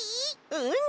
うん！